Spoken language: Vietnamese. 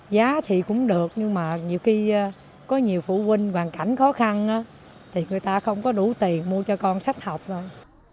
giá thì cũng được nhưng mà nhiều khi có nhiều phụ huynh hoàn cảnh khó khăn thì người ta không có đủ tiền mua cho con sách học thôi